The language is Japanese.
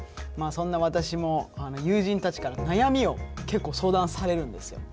そんな私も友人たちから悩みを結構相談されるんですよ。